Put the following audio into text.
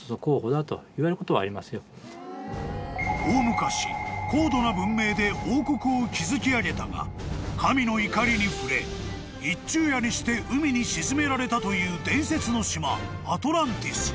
［大昔高度な文明で王国を築き上げたが神の怒りに触れ一昼夜にして海に沈められたという伝説の島］